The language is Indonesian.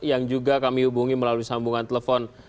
yang juga kami hubungi melalui sambungan telepon